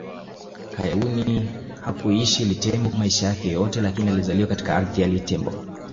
Kayuni hakuishi Litembo maisha yake yote lakini alizaliwa katika ardhi ya Litembo